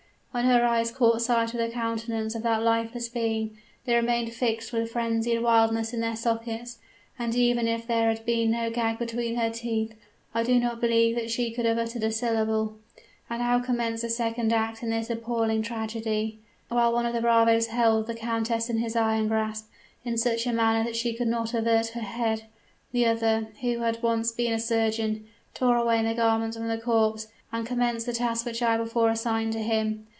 "When her eyes caught sight of the countenance of that lifeless being, they remained fixed with frenzied wildness in their sockets, and even if there had been no gag between her teeth, I do not believe that she could have uttered a syllable. And now commenced the second act in this appalling tragedy! While one of the bravoes held the countess in his iron grasp, in such a manner that she could not avert her head, the other, who had once been a surgeon, tore away the garments from the corpse, and commenced the task which I had before assigned to him.